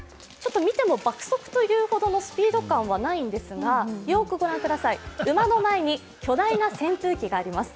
見ても爆速というほどのスピード感はないんですがよくご覧ください、馬の前に巨大な扇風機があります。